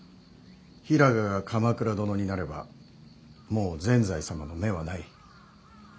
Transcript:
平賀が鎌倉殿になればもう善哉様の目はない。